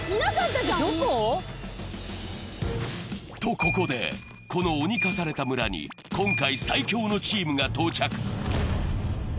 ここで、この鬼化された村に今回最強のチームが到着。